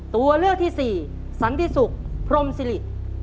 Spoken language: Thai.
ตัวเลือกที่สี่สันติสุขพรมศิริ